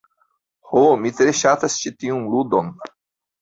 Ho, mi tre ŝatas ĉi tiun ludon.